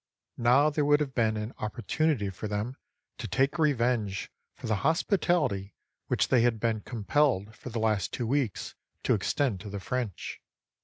Now there would have been an opportunity for them to take revenge for the hospitality which they had been com pelled for the last two weeks to extend to the French.